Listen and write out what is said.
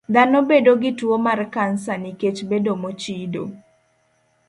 Dhano bedo gi tuo mar kansa nikech bedo mochido.